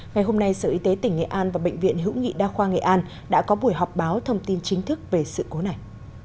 ngày hôm nay sở y tế tỉnh nghệ an và bệnh viện hữu nghị đa khoa nghệ an đã có buổi họp báo thông tin chính thức về sự cố này